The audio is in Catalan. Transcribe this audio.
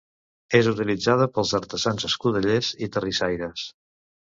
És utilitzada pels artesans escudellers i terrissaires.